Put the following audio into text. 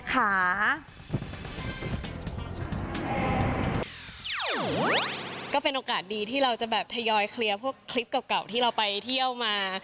ก็เป็นโอกาสดีที่เราจะแบบทยอยเคลียร์พวกคลิปเก่าที่เราไปเที่ยวมา